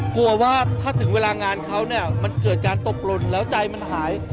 กลัวว่าถ้าถึงเวลางานเขาเนี่ยมันเกิดการตกหล่นแล้วใจมันหาย